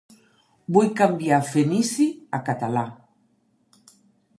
Vull canviar fenici a català.